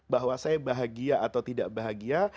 bahwa saya bahagia atau tidak bahagia